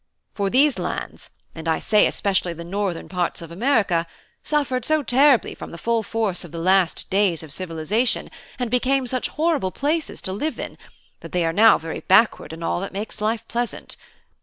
For these lands, and, I say, especially the northern parts of America, suffered so terribly from the full force of the last days of civilisation, and became such horrible places to live in, that they are now very backward in all that makes life pleasant.